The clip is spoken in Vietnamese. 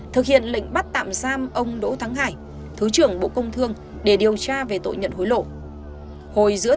thực hiện lệnh bắt tạm giam ông đỗ thắng hải thứ trưởng bộ công thương để điều tra về tội nhận hối lộ